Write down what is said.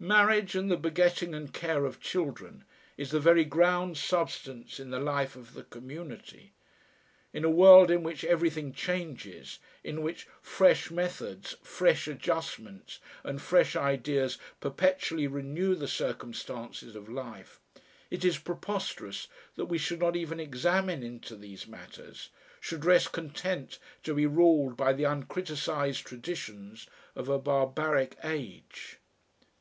Marriage and the begetting and care of children, is the very ground substance in the life of the community. In a world in which everything changes, in which fresh methods, fresh adjustments and fresh ideas perpetually renew the circumstances of life, it is preposterous that we should not even examine into these matters, should rest content to be ruled by the uncriticised traditions of a barbaric age.